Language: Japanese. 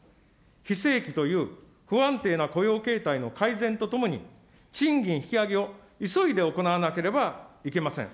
非正規という不安定な雇用形態の改善とともに、賃金引き上げを急いで行わなければいけません。